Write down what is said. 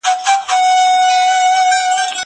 ميوې د زهشوم له خوا خوړل کيږي!